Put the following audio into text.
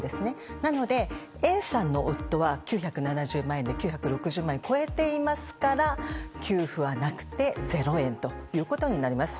なので、Ａさんの夫は９７０万円で、９６０万円超えていますから、給付はなくてゼロ円ということになります。